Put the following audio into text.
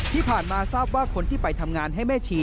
ที่ผ่านมาทราบว่าคนที่ไปทำงานให้แม่ชี